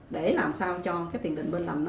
để làm sao cho tiền đình bên lằn